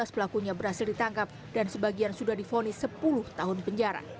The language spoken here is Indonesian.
dua belas pelakunya berhasil ditangkap dan sebagian sudah di vonis sepuluh tahun penjara